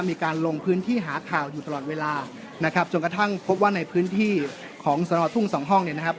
มีการลงพื้นที่หาข่าวอยู่ตลอดเวลานะครับจนกระทั่งพบว่าในพื้นที่ของสนทุ่งสองห้องเนี่ยนะครับ